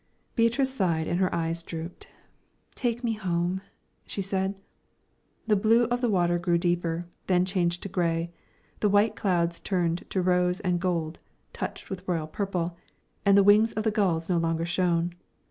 Beatrice sighed and her eyes drooped. "Take me home," she said. The blue of the water grew deeper, then changed to grey. The white clouds turned to rose and gold, touched with royal purple, and the wings of the gulls no longer shone.